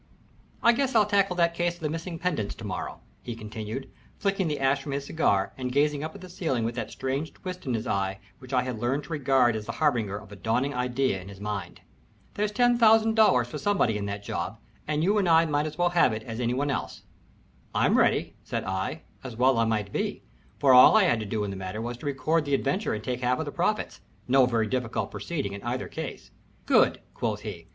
"I guess I'll tackle that case of the missing pendants to morrow," he continued, flicking the ash from his cigar and gazing up at the ceiling with that strange twist in his eye which I had learned to regard as the harbinger of a dawning idea in his mind. "There's ten thousand dollars for somebody in that job, and you and I might as well have it as any one else." "I'm ready," said I, as well I might be, for all I had to do in the matter was to record the adventure and take my half of the profits no very difficult proceeding in either case. "Good," quoth he.